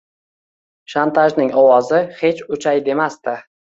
Shantajning ovozi hech oʻchay demasdi.